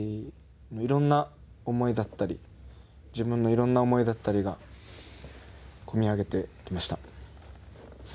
いろんな思いだったり自分のいろんな思いだったりがこみ上げてきました。